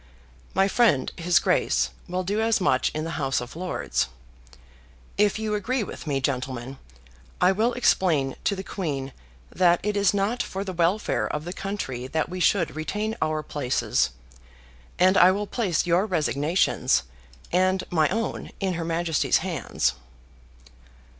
My friend, his Grace, will do as much in the House of Lords. If you agree with me, gentlemen, I will explain to the Queen that it is not for the welfare of the country that we should retain our places, and I will place your resignations and my own in her Majesty's hands."